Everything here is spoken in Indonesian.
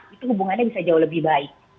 itu hubungannya bisa jauh lebih baik